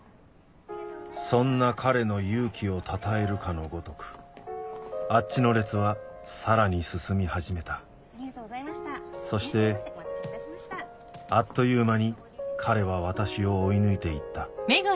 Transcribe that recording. そんな彼の勇気をたたえるかのごとくあっちの列はさらに進み始めたそしてあっという間に彼は私を追い抜いていった